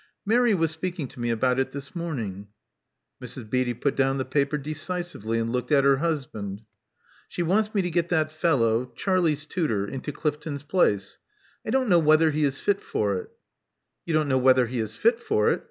Mary was speaking to me about it this morning." Mrs. Beatty put down the paper decisively, and looked at her husband. She wants me to get that fellow — Charlie's tutor — into Clifton's place. I don't know whether he is fit for it?" You don't know whether he is fit for it!